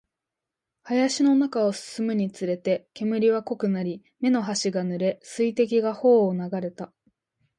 林の中を進むにつれて、煙は濃くなり、目の端が濡れ、水滴が頬を流れた